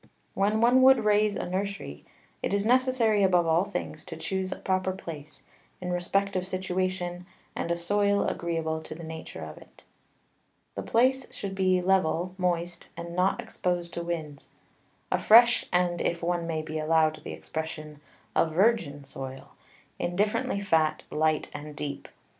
When one would raise a Nursery, it is necessary, above all things, to chuse a proper Place, in respect of Situation, and a Soil agreeable to the Nature of it. The Place should be level, moist, and not exposed to Winds; a fresh, and (if one may be allow'd the Expression) a Virgin Soil, indifferently fat, light, and deep.